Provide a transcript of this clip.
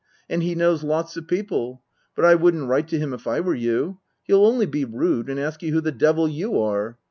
" And he knows lots of people. But I wouldn't write to him if I were you. He'll only be rude, and ask you who the devil you are.